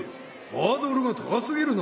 ハードルが高すぎるな。